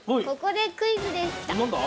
ここでクイズです。